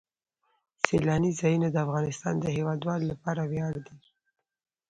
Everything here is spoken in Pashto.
سیلانی ځایونه د افغانستان د هیوادوالو لپاره ویاړ دی.